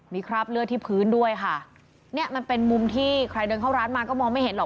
มีคราบเลือดที่พื้นด้วยค่ะเนี่ยมันเป็นมุมที่ใครเดินเข้าร้านมาก็มองไม่เห็นหรอก